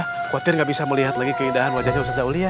khawatir gak bisa melihat lagi keindahan wajahnya ustazah aulia